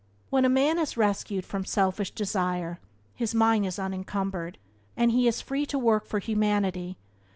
When a man is rescued from selfish desire his mind is unencumbered, and he is free to work for humanity.